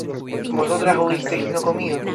¿vosotras hubisteis no comido?